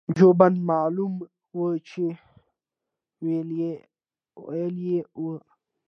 جوبن معلوم وو چې وييلي يې وو-